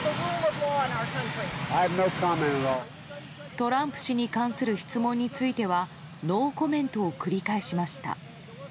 トランプ氏に関する質問についてはノーコメントを繰り返しました。